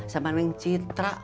sama neng citra